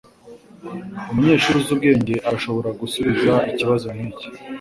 Umunyeshuri uzi ubwenge arashobora gusubiza ikibazo nkiki.